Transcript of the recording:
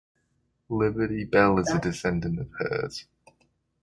Liberty Belle is a descendant of hers.